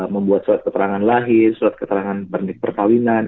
membuat surat keterangan lahir surat keterangan bernik pertawinan